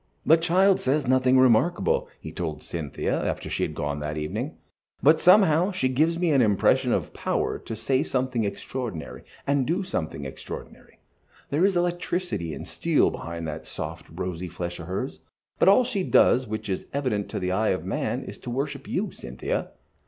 "The child says nothing remarkable," he told Cynthia, after she had gone that evening, "but somehow she gives me an impression of power to say something extraordinary, and do something extraordinary. There is electricity and steel behind that soft, rosy flesh of hers. But all she does which is evident to the eye of man is to worship you, Cynthia."